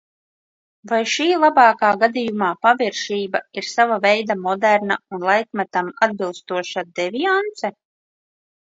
Vai šī labākā gadījumā paviršība ir sava veida moderna un laikmetam atbilstoša deviance?